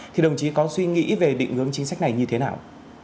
thì đồng chí có suy nghĩ về định hướng chính sách này như thế nào